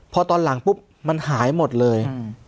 พอตอนหลังปุ๊บมันหายหมดเลย